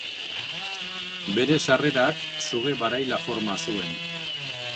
Bere sarrerak suge baraila forma zuen.